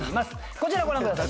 こちらご覧ください